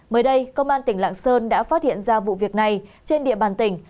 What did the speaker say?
mới đây công an tỉnh lạng sơn đã phát hiện ra vụ việc này trên địa bàn tỉnh